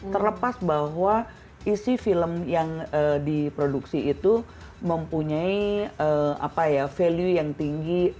terlepas bahwa isi film yang diproduksi itu mempunyai ee apa ya value yang tinggi